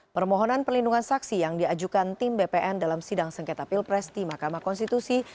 permohonan perlindungan saksi yang diajukan tim bpn dalam sidang sengketa pilpres di mahkamah konstitusi